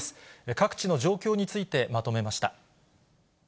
各地の状況について、まとめました。